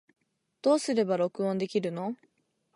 どうすれば録音できるの